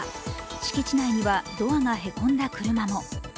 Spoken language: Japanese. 敷地内にはドアが凹んだ車も。